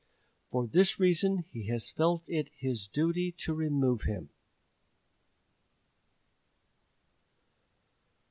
For this reason he has felt it his duty to remove him."